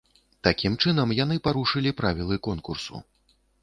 Такім чынам яны парушылі правілы конкурсу.